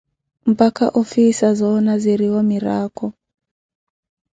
Mpakha onfhiisa zona ziriiwo miraakho.